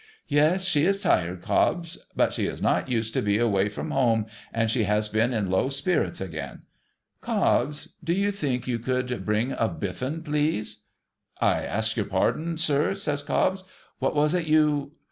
* Yes, she is tired, Cobbs ; but she is not used to be away from home, and she has been in low spirits again. Cobbs, do you think you could bring a bitifin, please?' ' I ask your pardon, sir,' says Cobbs. '\\'hat was it you